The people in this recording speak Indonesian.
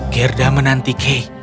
gerda menanti kay